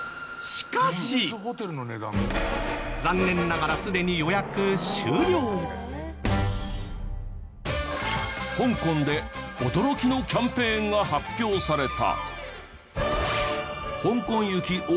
残念ながらすでに香港で驚きのキャンペーンが発表された。